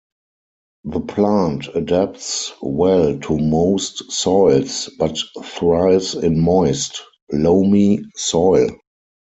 The plant adapts well to most soils, but thrives in moist, loamy soil.